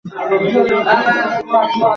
বসন্তে মানুষের গায়ে তো রঙ লাগে না, লাগে তার মনে।